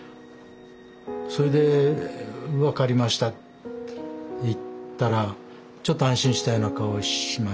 それで「分かりました」って言ったらちょっと安心したような顔をしました。